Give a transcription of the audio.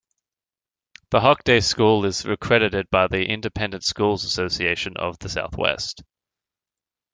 The Hockaday School is accredited by the Independent Schools Association of the Southwest.